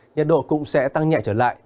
nhiệt độ cũng sẽ tăng nhẹ trở lại